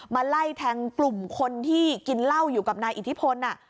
ไล่แทงกลุ่มคนที่กินเหล้าอยู่กับนายอิทธิพล